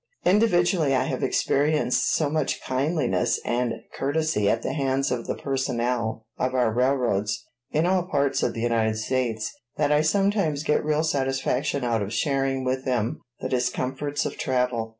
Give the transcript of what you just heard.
Individually I have experienced so much kindliness and courtesy at the hands of the personnel of our railroads in all parts of the United States that I sometimes get real satisfaction out of sharing with them the discomforts of travel.